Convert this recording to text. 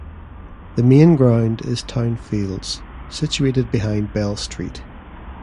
The main ground is Town Fields, situated behind Bell Street.